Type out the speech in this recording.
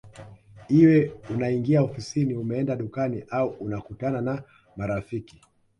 Iwe unaingia ofisini umeenda dukani au unakutana na marafiki